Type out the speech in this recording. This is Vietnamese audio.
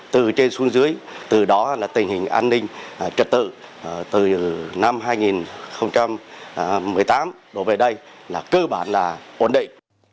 từ trên xuống dưới từ đó là tình hình an ninh trật tự từ năm hai nghìn một mươi tám đổ về đây là cơ bản là ổn định